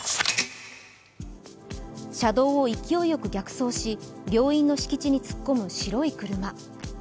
車道を勢いよく逆走し、病院の敷地に突っ込む白い車。